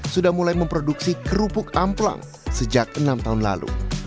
sudah mulai memproduksi kerupuk amplang sejak enam tahun lalu